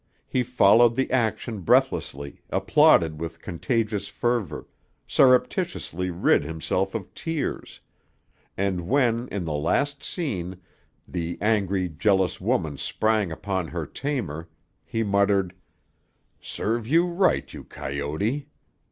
He followed the action breathlessly, applauded with contagious fervor, surreptitiously rid himself of tears, and when, in the last scene, the angry, jealous woman sprang upon her tamer, he muttered, "Serve you right, you coyote!"